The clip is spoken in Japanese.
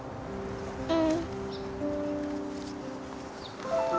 うん。